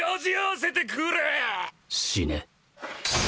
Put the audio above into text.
死ね。